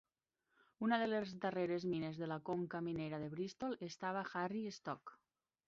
Una de les darreres mines de la conca minera de Bristol estava a Harry Stoke.